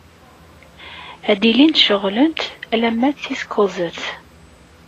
Ad ilint ceɣlent arma d tis kuẓet.